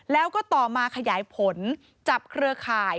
แล้วก็ต่อมาขยายผลจับเครือข่าย